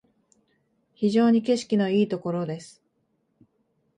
非常に景色のいいところです